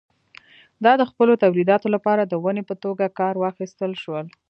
دا د خپلو تولیداتو لپاره د ونې په توګه کار واخیستل شول.